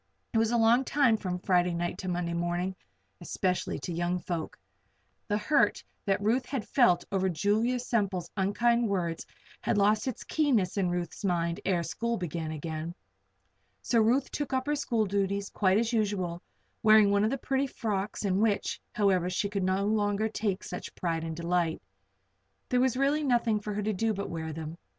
It is a long time from Friday night to Monday morning especially to young folk. The hurt that Ruth had felt over Julia Semple's unkind words had lost its keenness in Ruth's mind ere school began again. So Ruth took up her school duties quite as usual, wearing one of the pretty frocks in which, however, she could no longer take such pride and delight. There was really nothing for her to do but wear them.